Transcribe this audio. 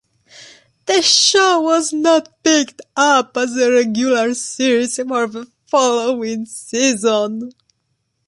The show was not picked up as a regular series for the following season.